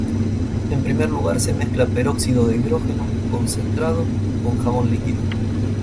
En primer lugar se mezcla peróxido de hidrógeno concentrado con jabón líquido.